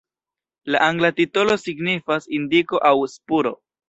La angla titolo signifas "indiko" aŭ "spuro".